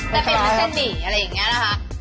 แต่เป็นน้ำเส้นหมี่อะไรอย่างเงี้ยนะคะ